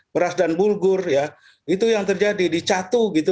beras dan bulgur ya itu yang terjadi dicatu gitu